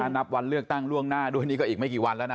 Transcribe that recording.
นับวันเลือกตั้งล่วงหน้าด้วยนี่ก็อีกไม่กี่วันแล้วนะ